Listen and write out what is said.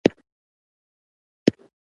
خولۍ د پلار میراث هم ګڼل کېږي.